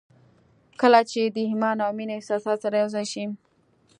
کله چې د ايمان او مينې احساسات سره يو ځای شي.